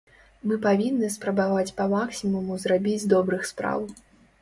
Мы павінны спрабаваць па-максімуму зрабіць добрых спраў.